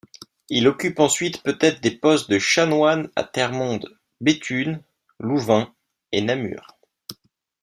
Il occupe ensuite peut-être des postes de chanoine à Termonde, Béthune, Louvain et Namur.